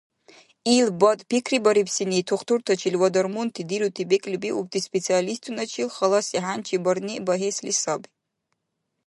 Ил БАД пикрибарибсини тухтуртачил ва дармунти дирути бекӀлибиубти специалистуначил халаси хӀянчи барни багьесли саби.